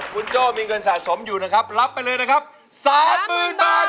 คุณโจ้มีเงินสะสมอยู่นะครับรับไปเลยนะครับ๓๐๐๐บาท